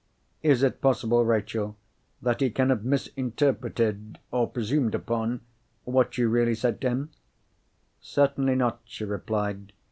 Is it possible, Rachel, that he can have misinterpreted—or presumed upon—what you really said to him?" "Certainly not," she replied.